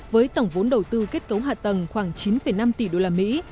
với tổng vốn đầu tư kết cấu hạ tầng khoảng chín năm tỷ đô la mỹ